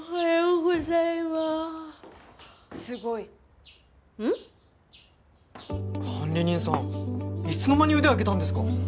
管理人さんいつの間に腕上げたんですか？